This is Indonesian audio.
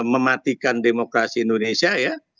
mematikan demokrasi indonesia ya